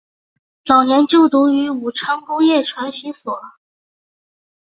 早年就读于武昌工业传习所。